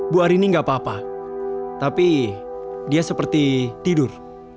bu arini nggak apa apa tapi dia seperti tidur